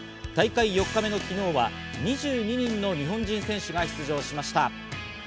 大会４日目の昨日は２２人の日本人選手が出場しました。